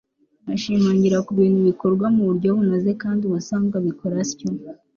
Ashimangira ku bintu bikorwa mu buryo bunoze kandi ubusanzwe abikora atyo